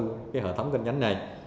hợp với hợp thống kênh nhánh này